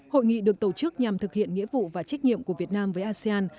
hội nghị được tổ chức nhằm thực hiện nghĩa vụ và trách nhiệm của việt nam với asean